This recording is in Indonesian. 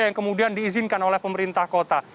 yang kemudian diizinkan oleh pemerintah kota